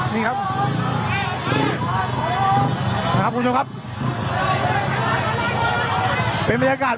นี่ครับครับคุณผู้ชมครับ